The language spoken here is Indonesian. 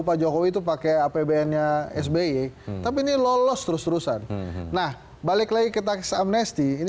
pak jokowi itu pakai apbn nya sby tapi ini lolos terus terusan nah balik lagi ke tax amnesti ini